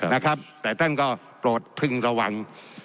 นะครับแต่ท่านก็โปรดพึงระวัง